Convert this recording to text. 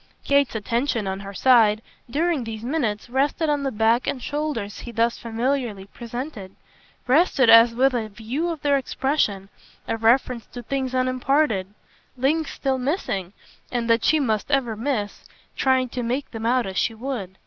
Kate's attention, on her side, during these minutes, rested on the back and shoulders he thus familiarly presented rested as with a view of their expression, a reference to things unimparted, links still missing and that she must ever miss, try to make them out as she would.